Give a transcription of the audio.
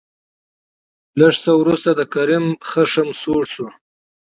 لېږ څه ورورسته د کريم قهر سوړ شو.